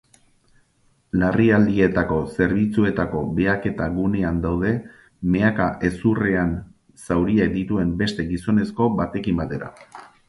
Larrialdietako zerbitzuetako behaketa gunean daude mehaka hezurrean zauriak dituen beste gizonezko batekin batera.